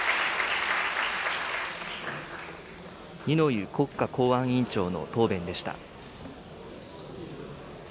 二之湯国家公安委員長の答弁でした。